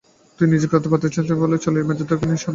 তুই নিজে নিতে পারছিস নে বলেই তোর মেজদাদাকে দিয়ে সাধ মেটাতে চাস।